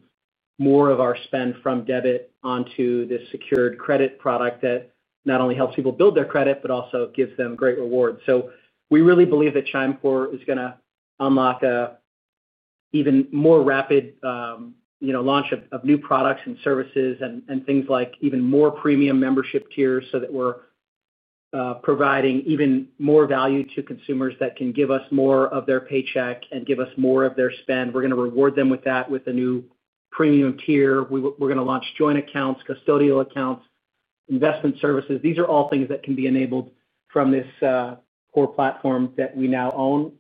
more of our spend from debit onto this secured credit product that not only helps people build their credit but also gives them great rewards. We really believe that ChimeCore is going to unlock an even more rapid launch of new products and services and things like even more premium membership tiers so that we're providing even more value to consumers that can give us more of their paycheck and give us more of their spend. We're going to reward them with that with a new premium tier. We're going to launch joint accounts, custodial accounts, investment services. These are all things that can be enabled from this core platform that we now own.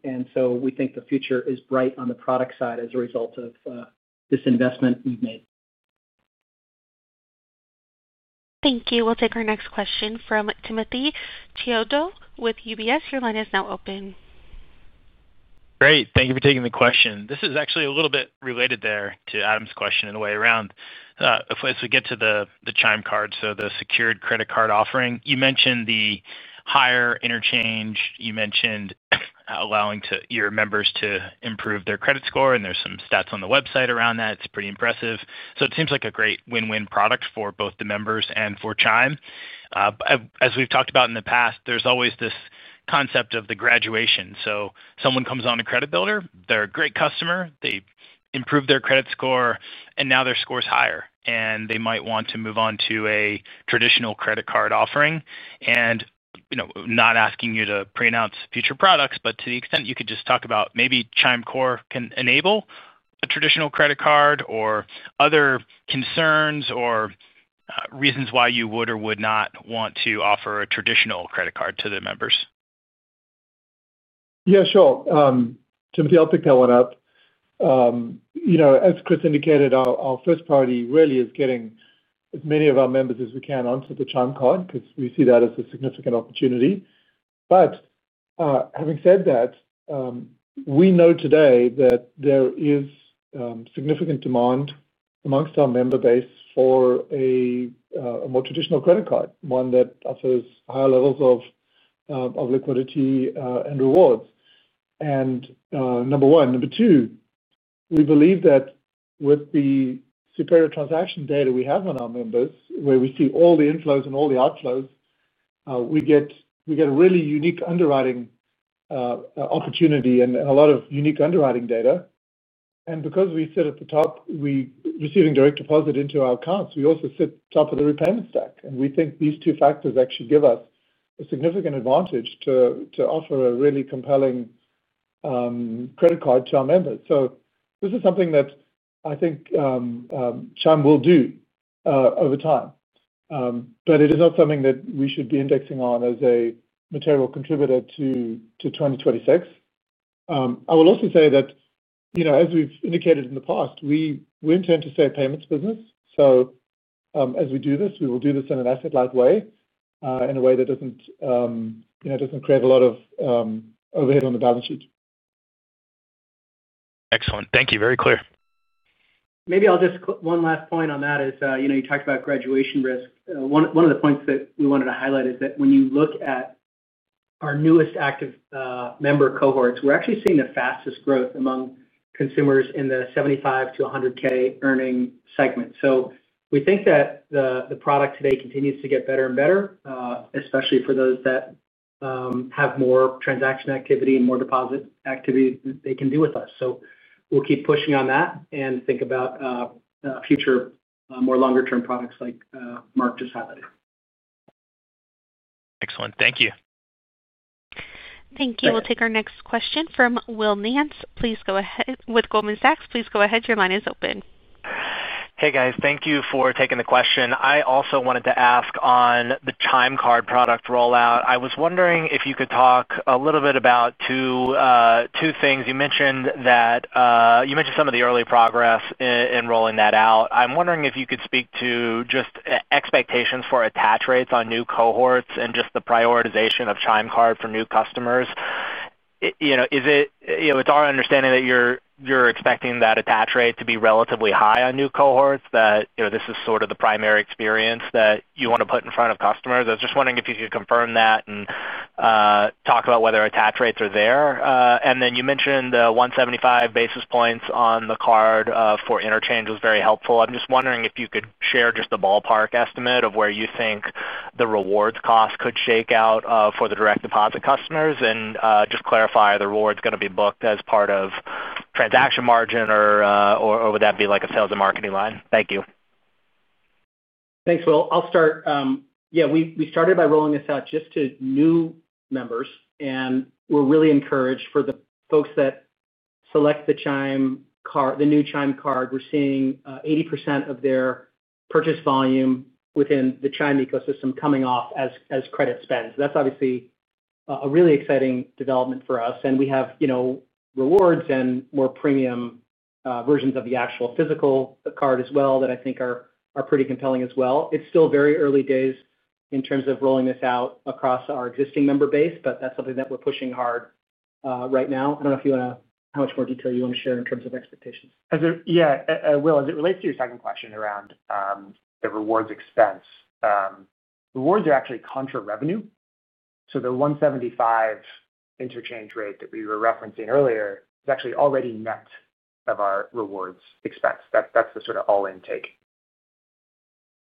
We think the future is bright on the product side as a result of this investment we've made. Thank you. We'll take our next question from Timothy Chiodo with UBS. Your line is now open. Great. Thank you for taking the question. This is actually a little bit related there to Adam's question in a way around. As we get to the Chime Card, so the secured credit card offering. You mentioned the higher interchange. You mentioned allowing your members to improve their credit score. And there are some stats on the website around that. It's pretty impressive. It seems like a great win-win product for both the members and for Chime. As we've talked about in the past, there's always this concept of the graduation. Someone comes on a Credit Builder, they're a great customer, they improve their credit score, and now their score's higher, and they might want to move on to a traditional credit card offering. Not asking you to pre-announce future products, but to the extent you could just talk about maybe ChimeCore can enable a traditional credit card or other concerns or reasons why you would or would not want to offer a traditional credit card to the members. Yeah. Sure. Timothy, I'll pick that one up. As Chris indicated, our first party really is getting as many of our members as we can onto the Chime Card because we see that as a significant opportunity. However, having said that, we know today that there is significant demand amongst our member base for a more traditional credit card, one that offers higher levels of liquidity and rewards. Number one. Number two, we believe that with the superior transaction data we have on our members, where we see all the inflows and all the outflows, we get a really unique underwriting opportunity and a lot of unique underwriting data. Because we sit at the top receiving direct deposit into our accounts, we also sit top of the repayment stack. We think these two factors actually give us a significant advantage to offer a really compelling. Credit card to our members. This is something that I think Chime will do over time, but it is not something that we should be indexing on as a material contributor to 2026. I will also say that, as we've indicated in the past, we intend to stay a payments business. As we do this, we will do this in an asset-light way, in a way that does not create a lot of overhead on the balance sheet. Excellent. Thank you. Very clear. Maybe just one last point on that is you talked about graduation risk. One of the points that we wanted to highlight is that when you look at our newest active member cohorts, we are actually seeing the fastest growth among consumers in the $75,000-$100,000 earning segment. We think that the product today continues to get better and better, especially for those that. Have more transaction activity and more deposit activity that they can do with us. We'll keep pushing on that and think about future more longer-term products like Mark just highlighted. Excellent. Thank you. Thank you. We'll take our next question from Will Nance. Please go ahead with Goldman Sachs. Please go ahead. Your line is open. Hey, guys. Thank you for taking the question. I also wanted to ask on the Chime Card product rollout. I was wondering if you could talk a little bit about two things. You mentioned that. You mentioned some of the early progress in rolling that out. I'm wondering if you could speak to just expectations for attach rates on new cohorts and just the prioritization of Chime Card for new customers. Is it. It's our understanding that you're expecting that attach rate to be relatively high on new cohorts, that this is sort of the primary experience that you want to put in front of customers. I was just wondering if you could confirm that and talk about whether attach rates are there. And then you mentioned the 175 basis points on the card for interchange was very helpful. I'm just wondering if you could share just a ballpark estimate of where you think the rewards cost could shake out for the direct deposit customers and just clarify the rewards going to be booked as part of transaction margin or would that be like a sales and marketing line? Thank you. Thanks, Will. I'll start. Yeah. We started by rolling this out just to new members. And we're really encouraged for the folks that select the new Chime Card. We're seeing 80% of their purchase volume within the Chime ecosystem coming off as credit spends. That's obviously a really exciting development for us. We have rewards and more premium versions of the actual physical card as well that I think are pretty compelling as well. It's still very early days in terms of rolling this out across our existing member base, but that's something that we're pushing hard right now. I don't know if you want to, how much more detail you want to share in terms of expectations. Yeah. Will, as it relates to your second question around the rewards expense, rewards are actually contra-revenue. So the $1.75 interchange rate that we were referencing earlier is actually already net of our rewards expense. That's the sort of all-in take.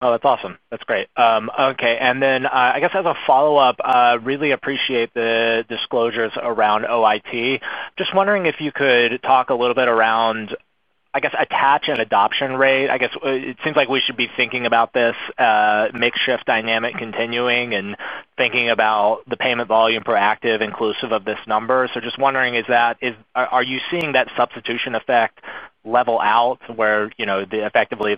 Oh, that's awesome. That's great. Okay. I guess as a follow-up, I really appreciate the disclosures around OIT. Just wondering if you could talk a little bit around, I guess, attach and adoption rate. I guess it seems like we should be thinking about this makeshift dynamic continuing and thinking about the payment volume per active inclusive of this number. Just wondering, are you seeing that substitution effect level out where effectively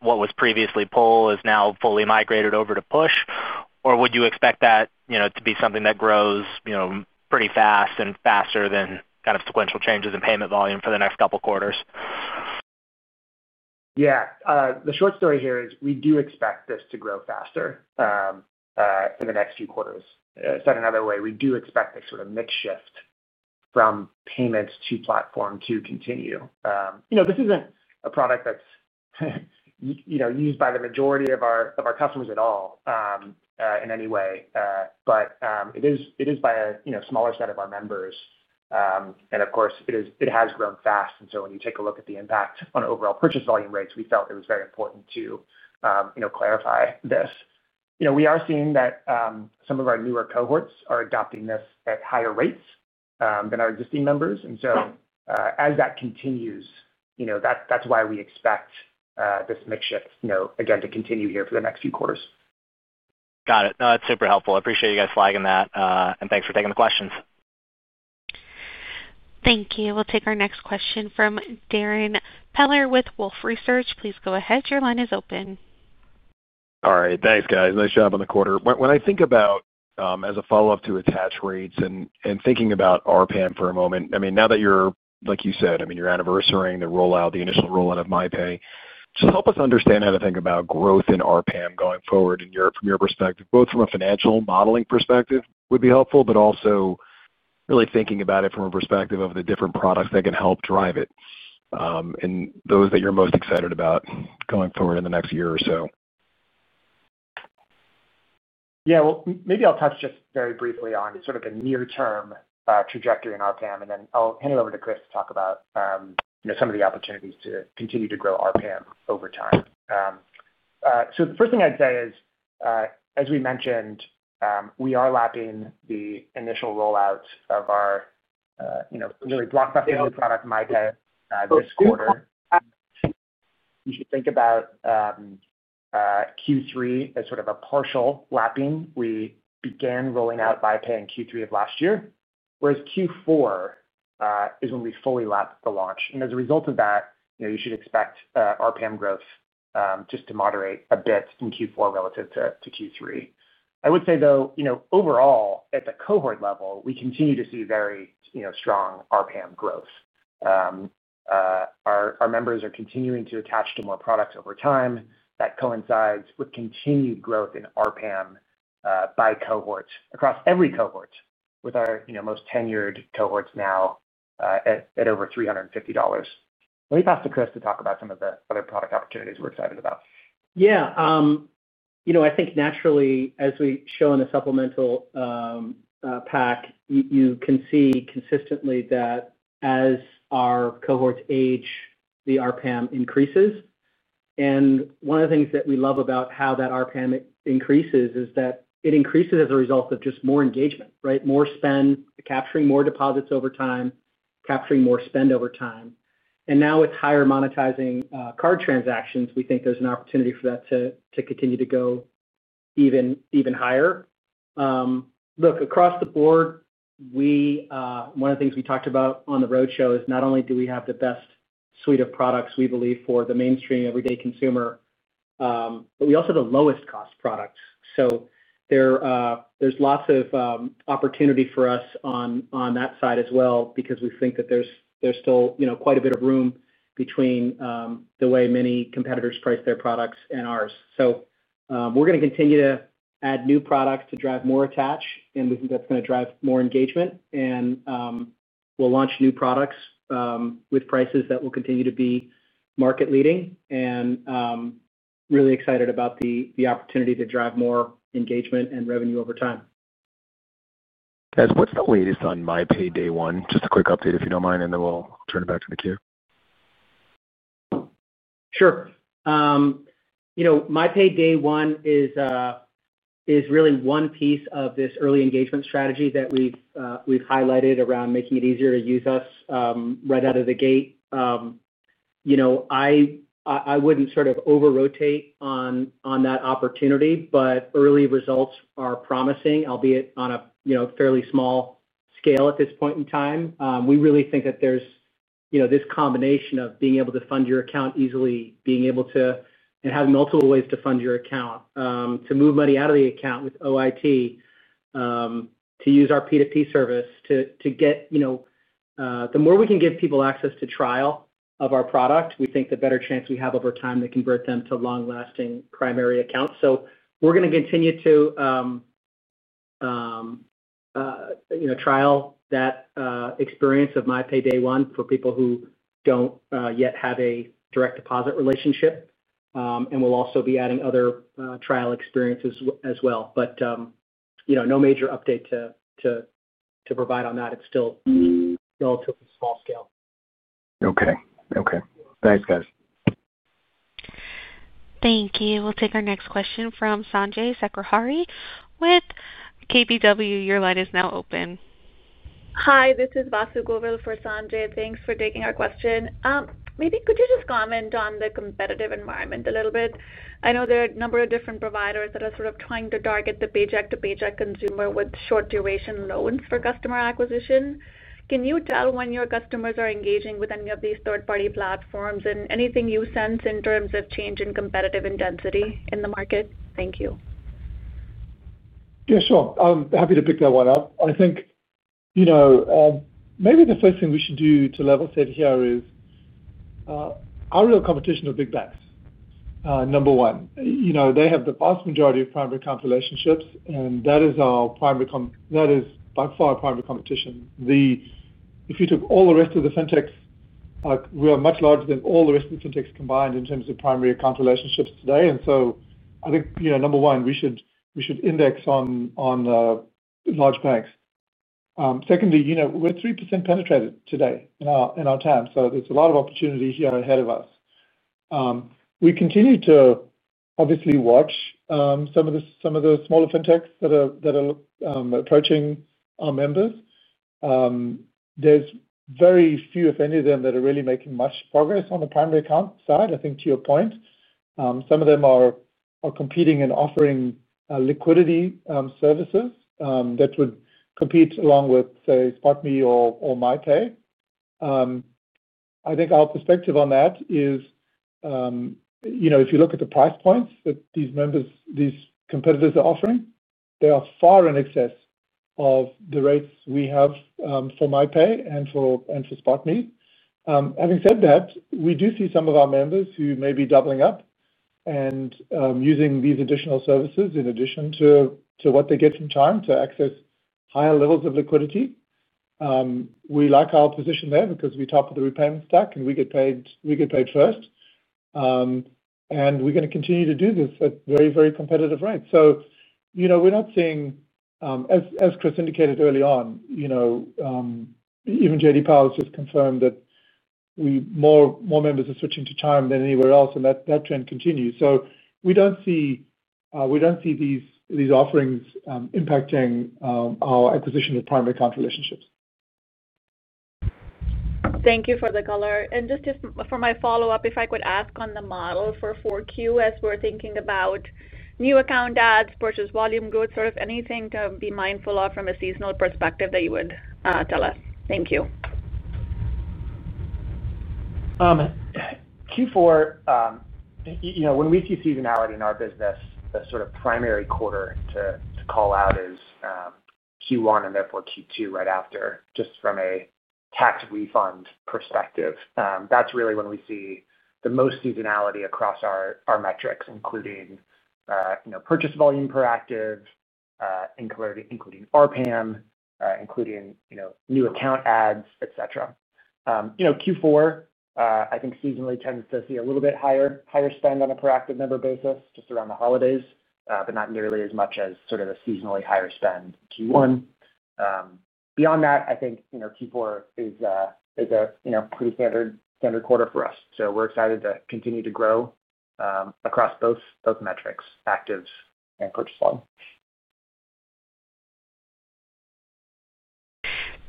what was previously pull is now fully migrated over to push? Or would you expect that to be something that grows pretty fast and faster than kind of sequential changes in payment volume for the next couple of quarters? Yeah. The short story here is we do expect this to grow faster in the next few quarters. Said another way, we do expect this sort of makeshift from payments to platform to continue. This isn't a product that's. Used by the majority of our customers at all. In any way. It is by a smaller set of our members. Of course, it has grown fast. When you take a look at the impact on overall purchase volume rates, we felt it was very important to clarify this. We are seeing that some of our newer cohorts are adopting this at higher rates than our existing members. As that continues, that is why we expect this makeshift, again, to continue here for the next few quarters. Got it. No, that is super helpful. I appreciate you guys flagging that. Thanks for taking the questions. Thank you. We will take our next question from Darrin Peller with Wolfe Research. Please go ahead. Your line is open. All right. Thanks, guys. Nice job on the quarter. When I think about. As a follow-up to attach rates and thinking about RPAM for a moment, I mean, now that you're, like you said, I mean, you're anniversarying the initial rollout of MyPay, just help us understand how to think about growth in RPAM going forward from your perspective. Both from a financial modeling perspective would be helpful, but also. Really thinking about it from a perspective of the different products that can help drive it. And those that you're most excited about going forward in the next year or so. Yeah. Maybe I'll touch just very briefly on sort of the near-term trajectory in RPAM, and then I'll hand it over to Chris to talk about. Some of the opportunities to continue to grow RPAM over time. The first thing I'd say is. As we mentioned, we are lapping the initial rollout of our. Really blockbuster new product, MyPay, this quarter. You should think about Q3 as sort of a partial lapping. We began rolling out MyPay in Q3 of last year, whereas Q4 is when we fully lapped the launch. As a result of that, you should expect RPAM growth just to moderate a bit in Q4 relative to Q3. I would say, though, overall, at the cohort level, we continue to see very strong RPAM growth. Our members are continuing to attach to more products over time. That coincides with continued growth in RPAM by cohorts across every cohort, with our most tenured cohorts now at over $350. Let me pass to Chris to talk about some of the other product opportunities we're excited about. Yeah. I think naturally, as we show in the supplemental pack, you can see consistently that as our cohorts age, the RPAM increases. One of the things that we love about how that RPAM increases is that it increases as a result of just more engagement, right? More spend, capturing more deposits over time, capturing more spend over time. Now with higher monetizing card transactions, we think there's an opportunity for that to continue to go even higher. Look, across the board. One of the things we talked about on the roadshow is not only do we have the best suite of products we believe for the mainstream everyday consumer. We also have the lowest-cost products. There is lots of opportunity for us on that side as well because we think that there's still quite a bit of room between the way many competitors price their products and ours. We're going to continue to add new products to drive more attach, and we think that's going to drive more engagement. We'll launch new products with prices that will continue to be market-leading. Really excited about the opportunity to drive more engagement and revenue over time. Guys, what's the latest on MyPay day one? Just a quick update if you don't mind, and then we'll turn it back to the queue. Sure. MyPay day one is really one piece of this early engagement strategy that we've highlighted around making it easier to use us right out of the gate. I wouldn't sort of over-rotate on that opportunity, but early results are promising, albeit on a fairly small scale at this point in time. We really think that there's this combination of being able to fund your account easily, being able to. Having multiple ways to fund your account, to move money out of the account with OIT, to use our P2P service to get, the more we can give people access to trial of our product, we think the better chance we have over time to convert them to long-lasting primary accounts. We are going to continue to trial that experience of MyPay day one for people who do not yet have a direct deposit relationship. We will also be adding other trial experiences as well. No major update to provide on that. It is still relatively small scale. Okay. Thanks, guys. Thank you. We will take our next question from Sanjay Sakhrani with KBW. Your line is now open. Hi. This is Vasu Govil for Sanjay. Thanks for taking our question. Maybe could you just comment on the competitive environment a little bit?I know there are a number of different providers that are sort of trying to target the paycheck-to-paycheck consumer with short-duration loans for customer acquisition. Can you tell when your customers are engaging with any of these third-party platforms and anything you sense in terms of change in competitive intensity in the market? Thank you. Yeah, sure. I'm happy to pick that one up. I think maybe the first thing we should do to level set here is our real competition are big banks. Number one. They have the vast majority of primary account relationships, and that is our primary. That is by far primary competition. If you took all the rest of the fintechs, we are much larger than all the rest of the fintechs combined in terms of primary account relationships today. I think, number one, we should index on large banks. Secondly, we're 3% penetrated today in our time. So there's a lot of opportunity here ahead of us. We continue to obviously watch some of the smaller fintechs that are approaching our members. There's very few, if any of them, that are really making much progress on the primary account side, I think, to your point. Some of them are competing and offering liquidity services that would compete along with, say, SpotMe or MyPay. I think our perspective on that is, if you look at the price points that these competitors are offering, they are far in excess of the rates we have for MyPay and for SpotMe. Having said that, we do see some of our members who may be doubling up and using these additional services in addition to what they get in time to access higher levels of liquidity. We like our position there because we are top of the repayment stack, and we get paid first. We are going to continue to do this at very, very competitive rates. We are not seeing, as Chris indicated early on, even J.D. Power has just confirmed that more members are switching to Chime than anywhere else, and that trend continues. We do not see these offerings impacting our acquisition of primary account relationships. Thank you for the color. Just for my follow-up, if I could ask on the model for Q4 as we are thinking about new account ads versus volume growth, sort of anything to be mindful of from a seasonal perspective that you would tell us? Thank you. Q4, when we see seasonality in our business, the sort of primary quarter to call out is Q1 and therefore Q2 right after, just from a tax refund perspective. That's really when we see the most seasonality across our metrics, including purchase volume per active, including RPAM, including new account ads, etc. Q4, I think, seasonally tends to see a little bit higher spend on a per active member basis, just around the holidays, but not nearly as much as sort of a seasonally higher spend Q1. Beyond that, I think Q4 is a pretty standard quarter for us. We are excited to continue to grow across both metrics, actives and purchase volume.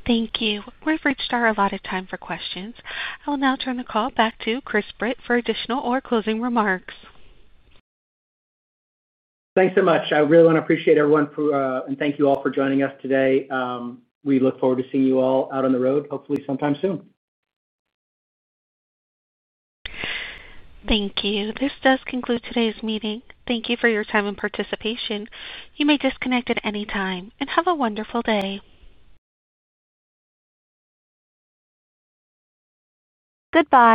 Thank you. We have reached our allotted time for questions. I will now turn the call back to Chris Britt for additional or closing remarks. Thanks so much. I really want to appreciate everyone, and thank you all for joining us today. We look forward to seeing you all out on the road, hopefully sometime soon. Thank you. This does conclude today's meeting. Thank you for your time and participation. You may disconnect at any time, and have a wonderful day. Goodbye.